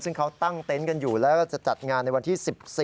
ซึ่งเขาตั้งเต็นต์กันอยู่แล้วก็จะจัดงานในวันที่๑๔